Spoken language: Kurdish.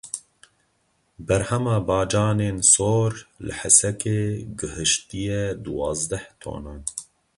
Berhema bacanên sor li Hesekê gihiştiye duwazdeh tonan.